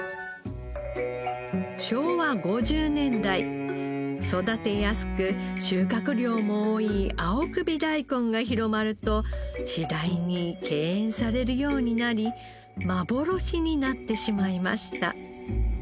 昭和５０年代育てやすく収穫量も多い青首大根が広まると次第に敬遠されるようになり幻になってしまいました。